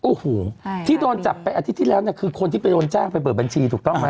โอ้โหที่โดนจับไปอาทิตย์ที่แล้วเนี่ยคือคนที่ไปโดนจ้างไปเปิดบัญชีถูกต้องไหม